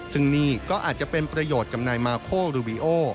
ซึ่งนี่ก็อาจจะเป็นประโยชน์กับนายมาโครูบีโอ